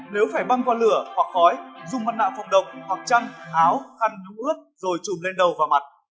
nếu phải băng qua lửa hoặc khói dùng mặt nạ phòng đồng hoặc chăn áo khăn đúng ướp rồi trùm lên đầu và mặt